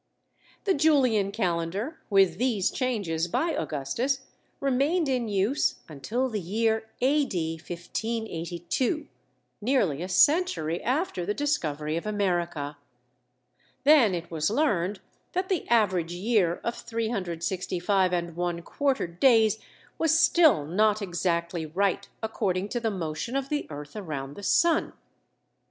The Julian calendar, with these changes by Augustus, remained in use until the year A. D. 1582, nearly a century after the discovery of America. Then it was learned that the average year of 365¼ days was still not exactly right according to the motion of the earth around the sun.